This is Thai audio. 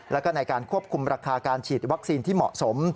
แล้วก็ในการควบคุมราคาการฉีดวัคซีนที่เหมาะสม